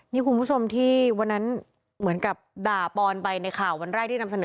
นี่คุณผู้ชมที่วันนั้นเหมือนกับด่าปอนไปในข่าววันแรกที่นำเสนอ